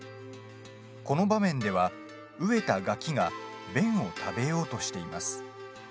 この場面では飢えた餓鬼が便を食べようとしています。